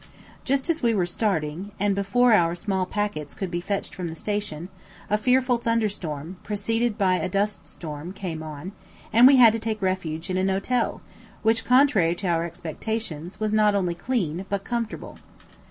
Just as we were starting, and before our small packets could be fetched from the station, a fearful thunder storm, preceded by a dust storm, came on; and we had to take refuge in an hotel, which, contrary to our expectations, was not only clean, but comfortable.